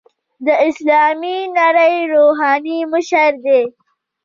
د اسلامي نړۍ روحاني مشر دی.